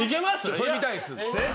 それ見たいです。